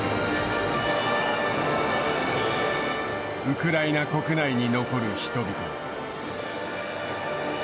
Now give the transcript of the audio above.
ウクライナ国内に残る人々。